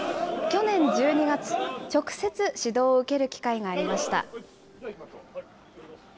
去年１２月、直接、指導を受ける機会がありました。